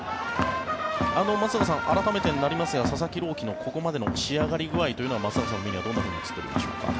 松坂さん、改めてになりますが佐々木朗希のここまでの仕上がり具合は松坂さんの目にはどう映っていますか？